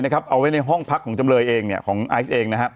เอาไว้ในห้องพักของจำเลยเองของไอซ์เอง